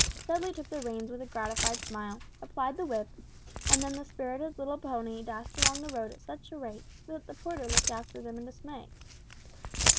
Dudley took the reins with a gratified smile, applied the whip, and the spirited little pony dashed along the road at such a rate, that a porter looked after them in dismay.